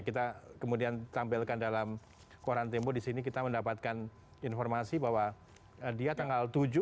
kita kemudian tampilkan dalam koran tempo disini kita mendapatkan informasi bahwa dia tanggal tujuh